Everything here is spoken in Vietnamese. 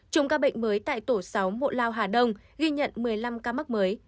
chùm ca bệnh mới tại tổ sáu hộ lao hà đông ghi nhận một mươi năm ca mắc mới